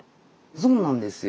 そうなんですよ。